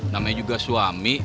namanya juga suami